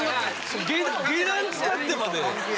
下段使ってまで。